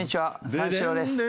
三四郎です。